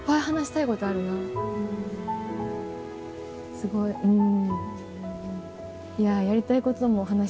すごいうん。